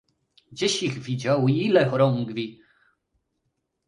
"Gdzieś ich widział i ile chorągwi?"